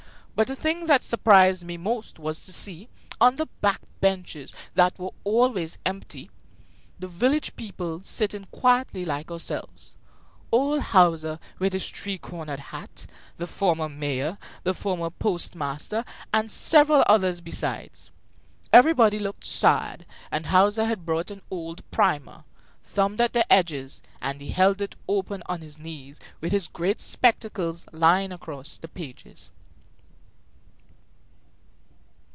But the thing that surprised me most was to see, on the back benches that were always empty, the village people sitting quietly like ourselves; old Hauser, with his three cornered hat, the former mayor, the former postmaster, and several others besides. Everybody looked sad; and Hauser had brought an old primer, thumbed at the edges, and he held it open on his knees with his great spectacles lying across the pages.